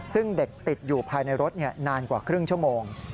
ซึ่งเด็กติดอยู่ภายในรถนานกว่าครึ่งชั่วโมง